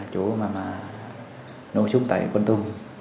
chỗ mà nổ súng tẩy quân tù